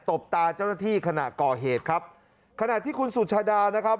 บตาเจ้าหน้าที่ขณะก่อเหตุครับขณะที่คุณสุชาดานะครับ